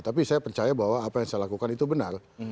tapi saya percaya bahwa apa yang saya lakukan itu benar